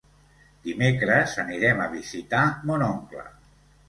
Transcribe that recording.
Dimecres anirem a visitar mon oncle.